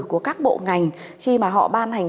của các bộ ngành khi mà họ ban hành